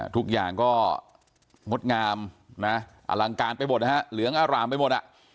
ทุกอย่างก็งดงามนะอลังการไปหมดนะฮะเหลืองอารามไปหมดอ่ะ